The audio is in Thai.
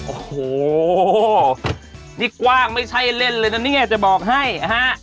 โอ้โหนี่กว้างไม่ใช่เล่นเลยนะเนี่ยจะบอกให้ฮะ